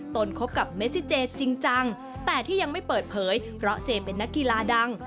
นคบกับเมซิเจจริงจังแต่ที่ยังไม่เปิดเผยเพราะเจเป็นนักกีฬาดัง